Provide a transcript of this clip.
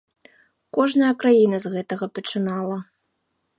Кожная краіна з гэтага пачынала.